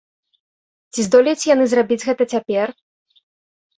Ці здолеюць яны зрабіць гэта цяпер?